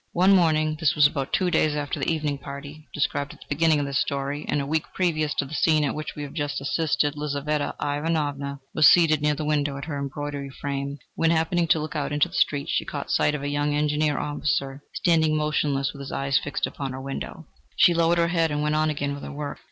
One morning this was about two days after the evening party described at the beginning of this story, and a week previous to the scene at which we have just assisted Lizaveta Ivanovna was seated near the window at her embroidery frame, when, happening to look out into the street, she caught sight of a young Engineer officer, standing motionless with his eyes fixed upon her window. She lowered her head and went on again with her work.